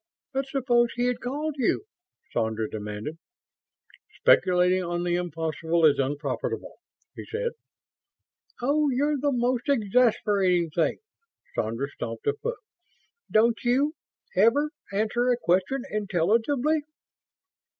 "But suppose he had called you?" Sandra demanded. "Speculating on the impossible is unprofitable," he said. "Oh, you're the most exasperating thing!" Sandra stamped a foot. "Don't you ever answer a question intelligibly?"